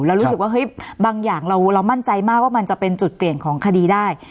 เรารู้สึกว่าเฮ้ยบางอย่างเรามั่นใจมากว่ามันจะเป็นจุดเปลี่ยนของคดีได้